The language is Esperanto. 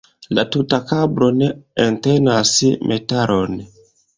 La tuta kablo ne entenas metalon.